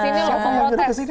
siapa yang nyuruh kesini